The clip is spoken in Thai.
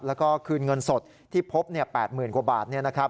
แล้วก็คืนเงินสดที่พบ๘๐๐๐กว่าบาท